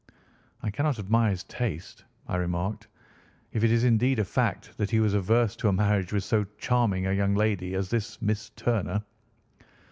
"I cannot admire his taste," I remarked, "if it is indeed a fact that he was averse to a marriage with so charming a young lady as this Miss Turner."